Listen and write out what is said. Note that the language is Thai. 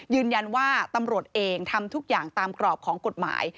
ยืนยันว่าตำรวจเองทำทุกอย่างตามกรอบของกฎหมาย